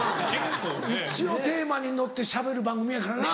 一応テーマに乗ってしゃべる番組やからな。